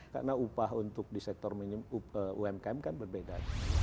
karena upah untuk di sektor umkm kan berbeda